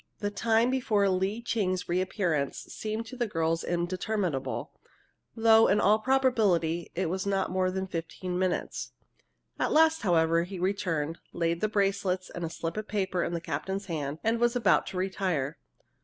The time before Lee Ching's reappearance seemed to the girls interminable, though, in all probability, it was not more than fifteen minutes. At last, however, he returned, laid the bracelets and a slip of paper in the captain's hand, and was about to retire.